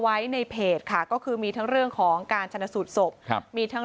ไว้ในเพจค่ะก็คือมีทั้งเรื่องของการชนะสูตรศพครับมีทั้ง